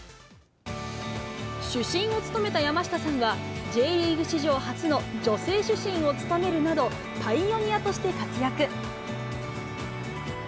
主審を務めた山下さんは、Ｊリーグ史上初の女性主審を務めるなど、パイオニアとして活躍。